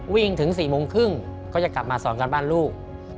วิ่งถึง๔โมงครึ่งก็จะกลับมาสอนการบ้านลูก